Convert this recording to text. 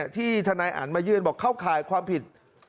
ที่ทนายอันมายื่นบอกเข้าข่ายความผิด